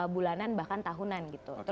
bulanan bahkan tahunan